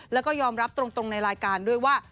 แล้วก็ยอมรับตรงในรายการด้วยว่า